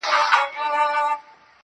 گراني بس څو ورځي لاصبر وكړه~